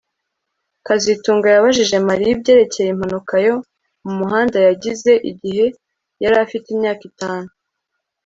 kazitunga yabajije Mariya ibyerekeye impanuka yo mu muhanda yagize igihe yari afite imyaka itanu